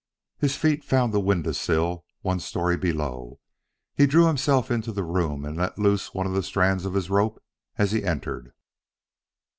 His feet found the window sill one story below. He drew himself into the room and let loose of one strand of his rope as he entered.